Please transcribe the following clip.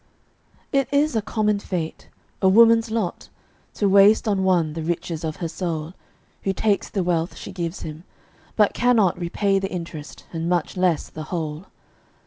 It is a common fate a woman's lot To waste on one the riches of her soul, Who takes the wealth she gives him, but cannot Repay the interest, and much less the whole.